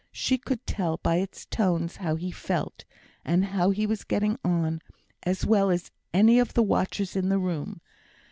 She could tell by its tones how he felt, and how he was getting on, as well as any of the watchers in the room.